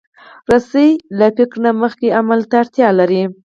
رسۍ له فکر نه مخکې عمل ته اړتیا لري.